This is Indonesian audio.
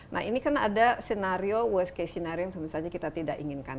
nah ini kan ada skenario worst case scenario yang tentu saja kita tidak inginkan